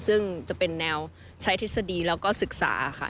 ซึ่งจะเป็นแนวใช้ทฤษฎีแล้วก็ศึกษาค่ะ